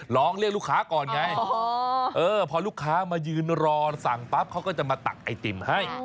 ร้องเรียกลูกค้าก่อนไงพอลูกค้ามายืนรอสั่งปั๊บเขาก็จะมาตักไอติมให้